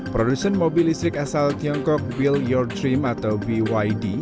produsen mobil listrik asal tiongkok will your dream atau byd